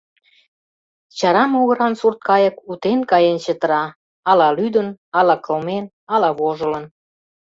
Чара могыран сурткайык утен каен чытыра: ала лӱдын, ала кылмен, ала вожылын.